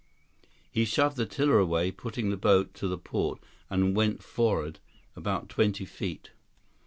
He shoved the tiller away, putting the boat to the port, and went forward about twenty feet.